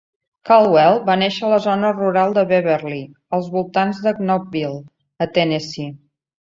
Caldwell va néixer a la zona rural de Beverly, als voltants de Knoxville, a Tennessee.